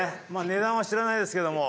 値段は知らないですけども。